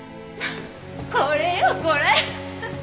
これよこれ。